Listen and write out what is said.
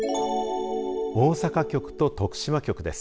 大阪局と徳島局です。